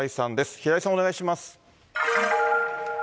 平井さん、お願いします。